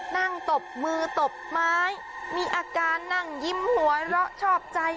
ตบมือตบไม้มีอาการนั่งยิ้มหัวเราะชอบใจ